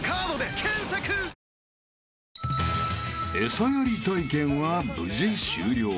［餌やり体験は無事終了］